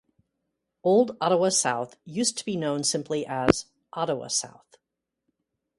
Old Ottawa South, used to be known simply as "Ottawa South".